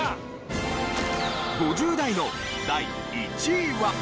５０代の第１位は。